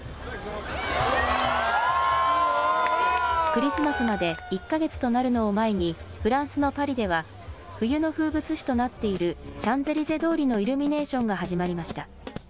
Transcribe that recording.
クリスマスまで１か月となるのを前にフランスのパリでは冬の風物詩となっているシャンゼリゼ通りのイルミネーションが始まりました。